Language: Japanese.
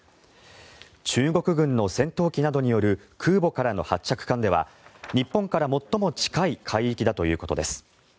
中国軍の戦闘機などによる空母からの発着艦では日本から最も近い海域だということです。